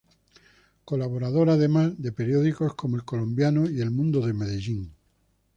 Colaborador, además, de periódicos como El Colombiano y El Mundo de Medellín.